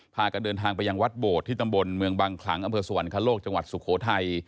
พากันเดินทางไปยังวัดโบดที่ตำบลเมืองบังขลังอำเภอสวรรคโลกจังหวัดสุโขทัย